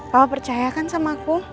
papa percaya kan sama aku